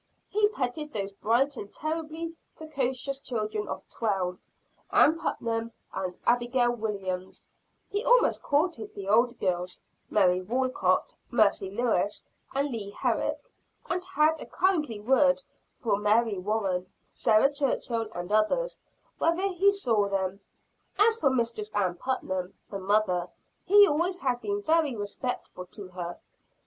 He petted those bright and terribly precocious children of twelve, Ann Putnam and Abigail Williams; he almost courted the older girls, Mary Walcot, Mercy Lewis and Leah Herrick and had a kindly word for Mary Warren, Sarah Churchill and others, whenever he saw them. As for Mistress Ann Putnam, the mother, he always had been very respectful to her.